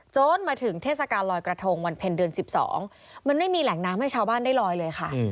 จนมาถึงเทศกาลลอยกระทงวันเพ็ญเดือน๑๒มันไม่มีแหล่งน้ำให้ชาวบ้านได้ลอยเลยค่ะ